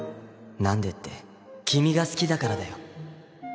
何でって君が好きだからだよ